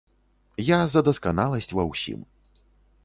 Я за дасканаласць ва ўсім.